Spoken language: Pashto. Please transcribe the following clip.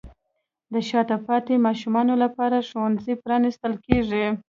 د شاته پاتې ماشومانو لپاره ښوونځي پرانیستل کیږي.